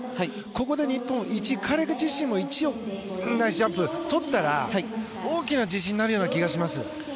ここで日本彼ら自身も１位を取ったら大きな自信になるような気がします。